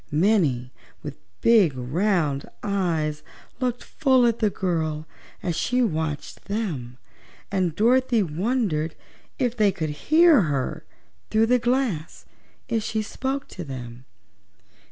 Many with big round eyes looked full at the girl as she watched them and Dorothy wondered if they could hear her through the glass if she spoke to them.